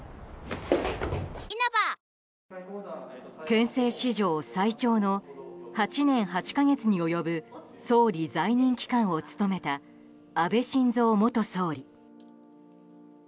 憲政史上最長の８年８か月に及ぶ総理在任期間を務めた安倍晋三元総理。